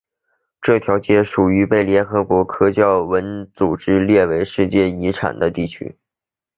这条街属于被联合国教科文组织列为世界遗产的区域。